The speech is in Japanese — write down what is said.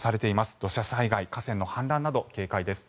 土砂災害、河川の氾濫など警戒です。